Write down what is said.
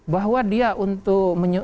bahwa dia untuk